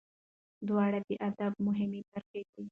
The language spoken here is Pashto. دواړه د ادب مهمې برخې دي.